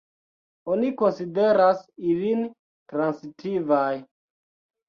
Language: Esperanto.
Oni konsideras ilin transitivaj.